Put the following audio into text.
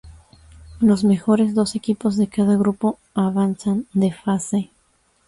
Los mejores dos equipos de cada grupo avanzan de fase.